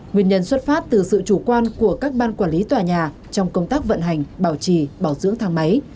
nguyên nhân xuất phát từ sự chủ quan của các ban quản lý tòa nhà trong công tác vận hành bảo trì bảo dưỡng thang máy